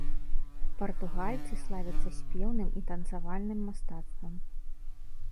Партугальцы славяцца спеўным і танцавальным мастацтвам.